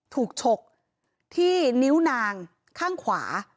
ฉกที่นิ้วนางข้างขวา